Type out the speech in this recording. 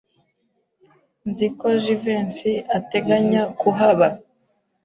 Nzi ko Jivency ateganya kuhaba.